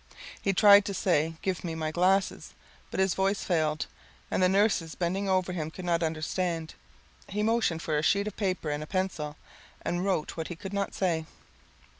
He tried to say, "Given me my glasses," but his voice failed, and the nurses bending over him could not understand. He motioned for a sheet of paper and a pencil, and wrote what he could not say.